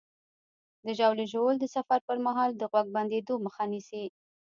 د ژاولې ژوول د سفر پر مهال د غوږ بندېدو مخه نیسي.